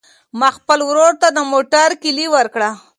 ما خپل ورور ته د موټر کیلي ورکړه.